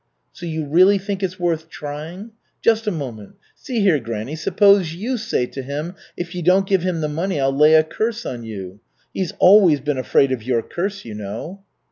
"So you really think it's worth trying? Just a moment. See here, granny, suppose you say to him, 'If you don't give him the money I'll lay a curse on you!' He has always been afraid of your curse, you know."